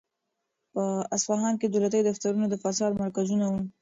په اصفهان کې دولتي دفترونه د فساد مرکزونه وو.